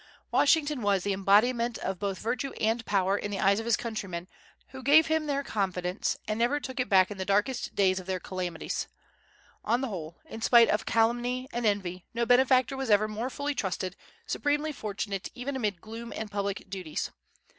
Washington was "the embodiment of both virtue and power" in the eyes of his countrymen, who gave him their confidence, and never took it back in the darkest days of their calamities. On the whole, in spite of calumny and envy, no benefactor was ever more fully trusted, supremely fortunate even amid gloom and public duties.